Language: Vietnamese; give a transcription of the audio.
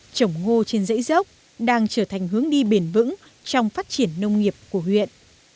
trồng ngô trên dãy dốc đang trở thành hướng đi bền vững trong phát triển nông nghiệp của huyện